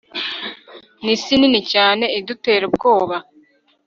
ni isi nini cyane idutera ubwoba